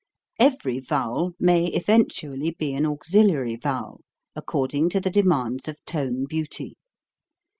Every vowel may eventually be an auxiliary vowel ac cording to the demands of tone beauty.